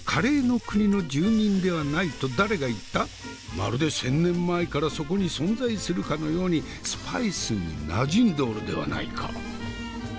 まるで１，０００年前からそこに存在するかのようにスパイスになじんでおるではないか。